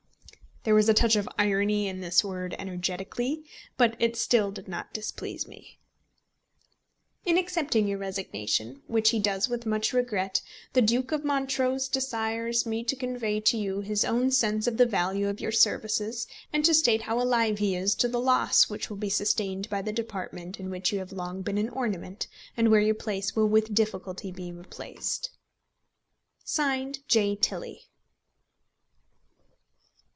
There was a touch of irony in this word "energetically," but still it did not displease me. In accepting your resignation, which he does with much regret, the Duke of Montrose desires me to convey to you his own sense of the value of your services, and to state how alive he is to the loss which will be sustained by the department in which you have long been an ornament, and where your place will with difficulty be replaced. (Signed) J. TILLEY.